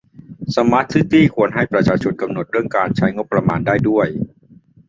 สมาร์ทซิตี้ควรจะให้ประชาชนกำหนดเรื่องการใช้งบประมาณได้ด้วย